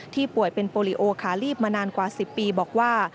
ป่วยเป็นโปรลิโอคาลีบมานานกว่า๑๐ปีบอกว่า